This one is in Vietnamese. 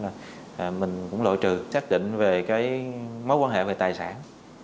cái thời gian hợp lý với nhau cho nên là mình cũng lội trừ xác định về mối quan hệ về tài sản